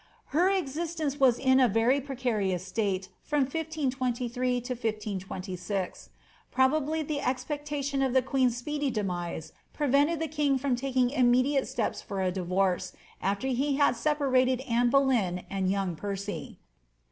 Her existence was in a very precarious state from 1523 to 1526. Probably the expectation of the queen's speedy demise prevented the king from taking immediate steps for a divorce, after he had sepa lated Anne Boleyn and young Percy.